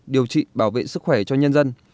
điều trị bảo vệ sức khỏe cho nhân dân